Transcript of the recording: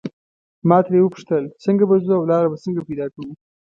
ما ترې وپوښتل څنګه به ځو او لاره به څنګه پیدا کوو.